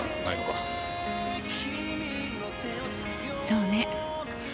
そうね。